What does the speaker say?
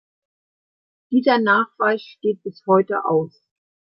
Dieser Nachweis steht bis heute aus.